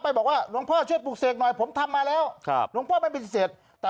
พาไปบอกว่าลงพ่อช่วยปรุกเศกหน่อยผมทำมาลองพ่อไม่ปฏิเสธ